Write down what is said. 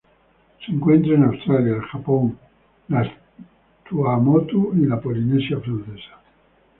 Se encuentra en Australia, el Japón, las Tuamotu y la Polinesia Francesa.